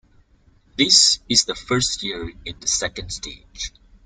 This is the first year in the second stage.